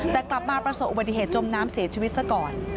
แต่กลับมาประสบอุบัติเหตุจมน้ำเสียชีวิตซะก่อน